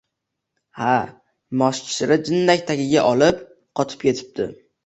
Ha, moshkichiri jindak tagiga olib, qotib ketibdi.